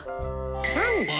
なんで？